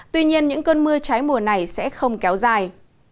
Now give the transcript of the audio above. tuy nhiên những cơn mưa trái mùa này sẽ không kéo dài